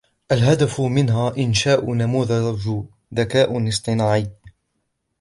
الهدف منها إنشاء نموذج ذكاء اصطناعي